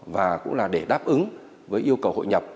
và cũng là để đáp ứng với yêu cầu hội nhập